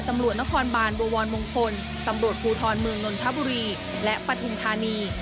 ตำรวจนครบานบวรมงคลตำรวจภูทรเมืองนนทบุรีและปฐุมธานี